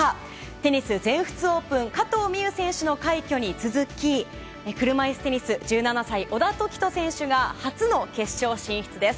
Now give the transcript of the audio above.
テニス全仏オープン加藤未唯選手の快挙に続き車いすテニス１７歳、小田凱人選手が初の決勝進出です。